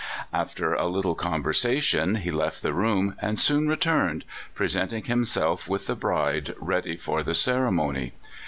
After a little conversation he left the room, and soon returned, presenting himself with the bride, ready for the ceremony.